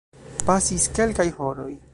Pasis kelkaj horoj.